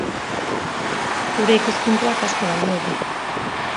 Zure ikuspuntuak asko balio du.